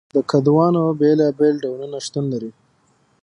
د کدوانو بیلابیل ډولونه شتون لري.